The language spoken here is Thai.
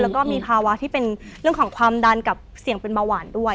แล้วก็มีภาวะที่เป็นเรื่องของความดันกับเสี่ยงเป็นเบาหวานด้วย